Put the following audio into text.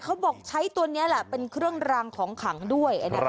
เขาบอกใช้ตัวนี้แหละเป็นเครื่องรางของขังด้วย